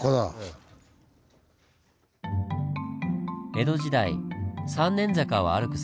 江戸時代三年坂を歩く